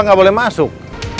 uya pak boleh masuk